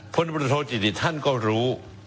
ผลบริโรทโทษจิตติท่านก็รู้